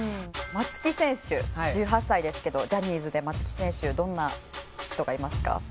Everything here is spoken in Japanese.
松木選手１８歳ですけどジャニーズで松木選手どんな人がいますか？